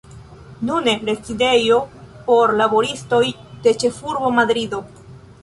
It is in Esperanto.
Nune rezidejo por laboristoj de ĉefurbo Madrido.